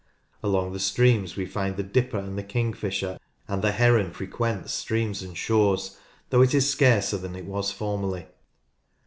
Along the streams we find the dipper and the king fisher, and the heron frequents streams and shores, though it is scarcer than it was formerly.